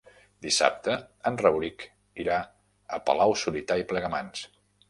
Dissabte en Rauric irà a Palau-solità i Plegamans.